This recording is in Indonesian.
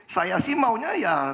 saya sih maunya ya